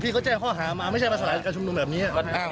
พี่ก็แจ้งข้อหามาไม่ใช่ประสาทกับชุมนุมแบบนี้